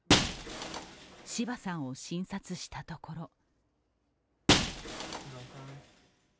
柴さんを診察したところ